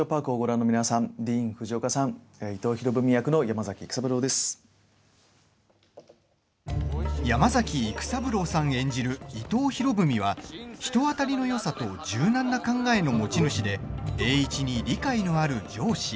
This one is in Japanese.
山崎育三郎さん演じる伊藤博文は人当たりのよさと柔軟な考えの持ち主で栄一に理解のある上司。